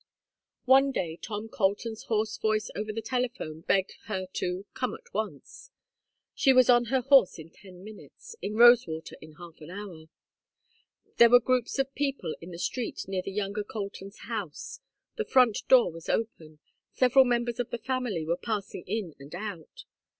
One day Tom Colton's hoarse voice over the telephone begged her to "come at once." She was on her horse in ten minutes, in Rosewater in half an hour. There were groups of people in the street near the younger Coltons' house, the front door was open, several members of the family were passing in and out.